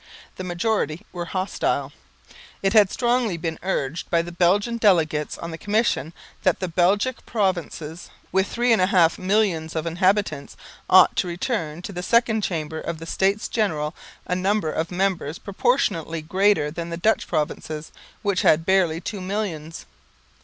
The majority were hostile. It had been strongly urged by the Belgian delegates on the Commission that the Belgic provinces, with three and a half millions of inhabitants, ought to return to the Second Chamber of the States General a number of members proportionately greater than the Dutch provinces, which had barely two millions.